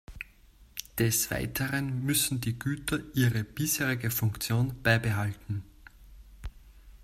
Des Weiteren müssen die Güter ihre bisherige Funktion beibehalten.